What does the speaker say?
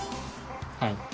はい。